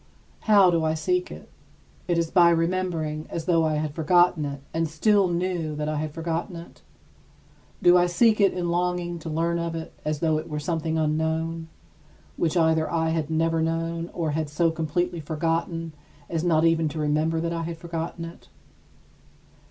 How do I seek it? Is it by remembering, as though I had forgotten it and still knew that I had forgotten it? Do I seek it in longing to learn of it as though it were something unknown, which either I had never known or had so completely forgotten as not even to remember that I had forgotten it?